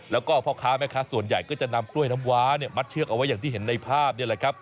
แล้วก็พ่อค้าแม่ค้าส่วนใหญ่ก็จะนำกล้วยน้ำว้ามัดเชือกเอาไว้อย่างที่เห็นในภาพนี่แหละครับ